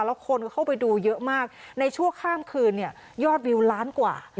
แล้วคนเข้าไปดูเยอะมากในชั่วข้ามคืนเนี่ยยอดวิวล้านกว่า